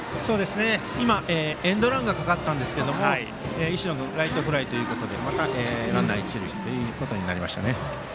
今、エンドランがかかったんですが石野君、ライトフライでまたランナー、一塁となりました。